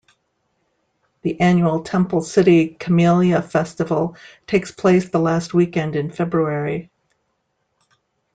The annual Temple City Camellia Festival takes place the last weekend in February.